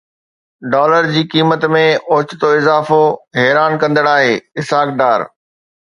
dollar جي قيمت ۾ اوچتو اضافو حيران ڪندڙ آهي: اسحاق ڊار